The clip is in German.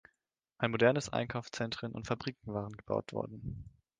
Ein modernes Einkaufszentren und Fabriken waren gebaut worden.